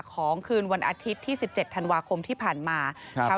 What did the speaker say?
คืนวันอาทิตย์ที่๑๗ธันวาคมที่ผ่านมา